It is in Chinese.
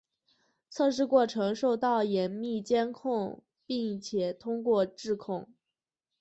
测试过程受到严密监视并须通过质控。